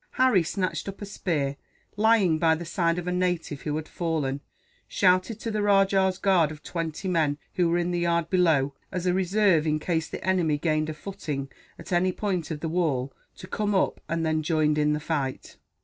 Harry snatched up a spear, lying by the side of a native who had fallen; shouted to the rajah's guard of twenty men who were in the yard below, as a reserve in case the enemy gained a footing at any point of the wall to come up, and then joined in the fight.